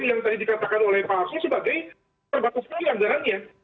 yang tadi dikatakan oleh pak arsul sebagai terbatasnya anggarannya